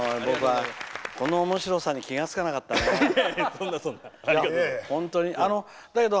僕は、このおもしろさに気が付かなかったな。